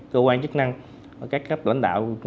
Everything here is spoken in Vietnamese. cơ quan chức năng các lãnh đạo